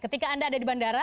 ketika anda ada di bandara